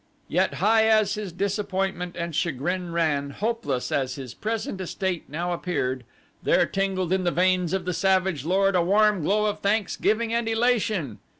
Yet high as his disappointment and chagrin ran, hopeless as his present estate now appeared, there tingled in the veins of the savage lord a warm glow of thanksgiving and elation.